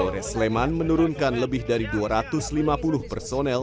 polres sleman menurunkan lebih dari dua ratus lima puluh personel